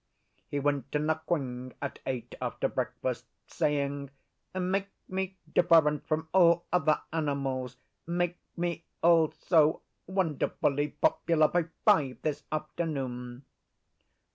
He went to Nquing at eight after breakfast, saying, 'Make me different from all other animals; make me, also, wonderfully popular by five this afternoon.